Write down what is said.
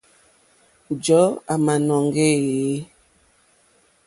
Njɔ̀ɔ́ àmǎnɔ́ŋgɛ̄ éèyé.